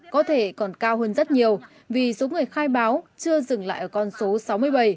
có thể còn cao hơn rất nhiều vì số người khai báo chưa dừng lại ở con số sáu mươi bảy